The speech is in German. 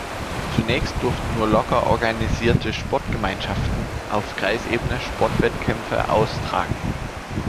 Zunächst durften nur locker organisierte Sportgemeinschaften auf Kreisebene Sportwettkämpfe austragen.